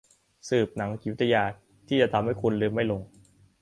สิบ หนังจิตวิทยา ที่จะทำให้คุณลืมไม่ลง